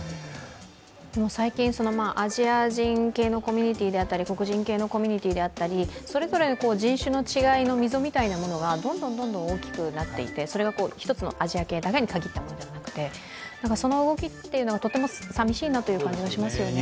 最近アジア人系のコミュニティーであったり黒人系のコミュニティーであったり、それぞれの人種の違いの溝みたいなものがどんどん大きくなっていて、それが１つのアジア系、誰に限ったという話じゃなくてその動きっていうのはとてもさみしいなという気がしますね。